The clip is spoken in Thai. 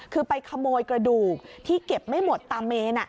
คือไปขโมยกระดูกที่เก็บไม่หมดตามเมน